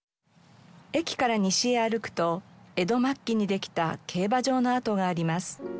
駅から西へ歩くと江戸末期にできた競馬場の跡があります。